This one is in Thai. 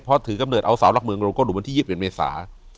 เพราะถือกำเนิดเอาสาวรักเมืองโรงโกศิษฐ์ดูบันที่๒๑เมษา